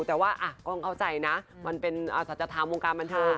แต่ว่ากล้องเข้าใจนะมันเป็นสัจธรรมวงการบันเทิง